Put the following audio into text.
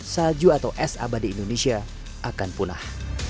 salju atau es abadi indonesia akan punah